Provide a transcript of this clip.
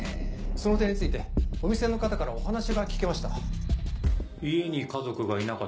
その点についてお店の方からお話が聞けました。